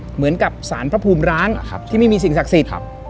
เหมือนกับสารพระภูมิร้างที่ไม่มีสิ่งศักดิ์สิทธิ์